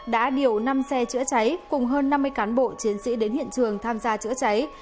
đã điều năm xe chữa cháy cùng hơn năm mươi cán bộ chiến sĩ đến hiện trường tham gia chữa cháy